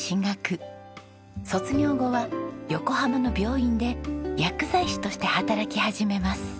卒業後は横浜の病院で薬剤師として働き始めます。